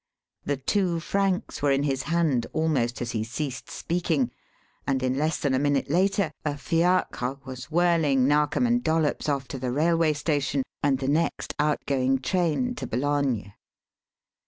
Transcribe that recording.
The two francs were in his hand almost as he ceased speaking, and in less than a minute later a fiacre was whirling Narkom and Dollops off to the railway station and the next outgoing train to Boulogne.